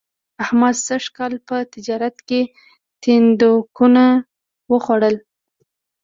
احمد سږ کال په تجارت کې تیندکونه و خوړل